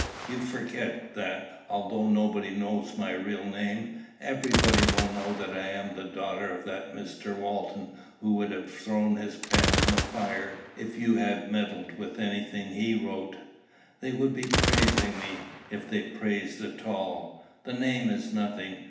"You forget, that, although nobody knows my real name, everybody will know that I am the daughter of that Mr. Walton who would have thrown his pen in the fire if you had meddled with any thing he wrote. They would be praising me, if they praised at all. The name is nothing.